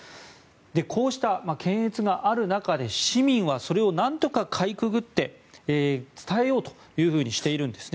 こうした検閲がある中で、市民はそれをなんとかかいくぐって伝えようというふうにしているんですね。